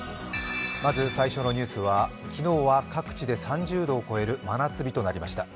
まず最初のニュースは昨日は各地で３０度を超える真夏日となりました。